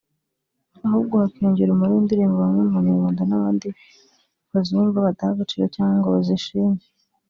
ahubwo hakiyongera umubare w’indirimbo bamwe mu banyarwanda n’abandi bazumva badaha agaciro cyangwa ngo bazishime